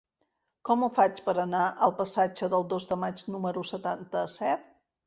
Com ho faig per anar al passatge del Dos de Maig número setanta-set?